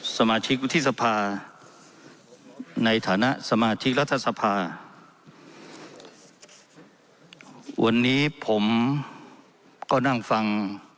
สมาชิกวุฒิสภาในฐานะสมาชิกรัฐสภาวันนี้ผมก็นั่งฟัง